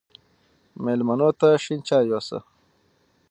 مېلمنو له شين چای يوسه